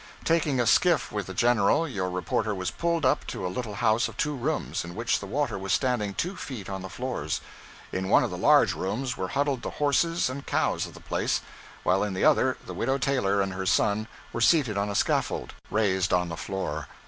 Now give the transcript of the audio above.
Taking a skiff with the General, your reporter was pulled up to a little house of two rooms, in which the water was standing two feet on the floors. In one of the large rooms were huddled the horses and cows of the place, while in the other the Widow Taylor and her son were seated on a scaffold raised on the floor.